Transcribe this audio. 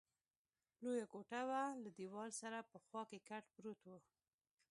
لویه کوټه وه، له دېوال سره په خوا کې کټ پروت وو.